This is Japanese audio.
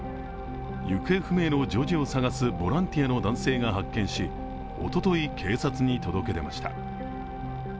行方不明の女児を捜すボランティアの男性が発見しおととい、警察に届け出ました。